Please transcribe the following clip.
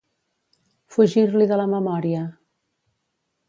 Fugir-l'hi de la memòria.